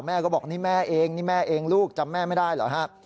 แม่ก็บอกนี่แม่เองนี่แม่เองลูกจำแม่ไม่ได้เหรอฮะ